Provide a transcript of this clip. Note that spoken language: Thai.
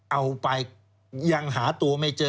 เอาไปยังหาตัวไม่เจอ